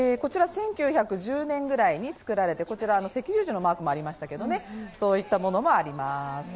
１９１０年くらいに作られて赤十字のマークもありまして、そういったものもあります。